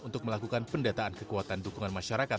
untuk melakukan pendataan kekuatan dukungan masyarakat